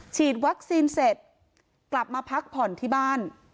ฉีดวัคซีนเสร็จกลับมาพักผ่อนที่บ้าน